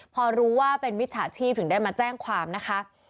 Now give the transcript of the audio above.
พอรู้ว่าเป็นมิจฉาชีพถึงได้มาแจ้งความนะคะ